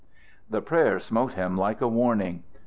_" The prayer smote him like a warning.